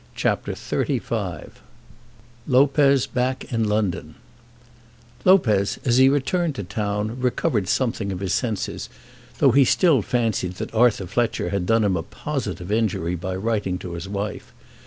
CHAPTER XXXV Lopez Back in London Lopez, as he returned to town, recovered something of his senses, though he still fancied that Arthur Fletcher had done him a positive injury by writing to his wife.